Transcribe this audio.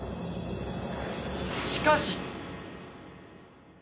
しかし！